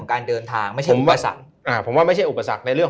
การเดินทางไม่ใช่อุปสรรคอ่าผมว่าไม่ใช่อุปสรรคในเรื่อง